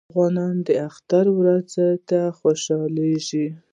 افغانان د اختر ورځو ته خوشحالیږي.